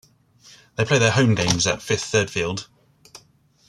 They play their home games at Fifth Third Field.